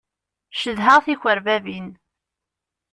Cedhaɣ tikerbabin.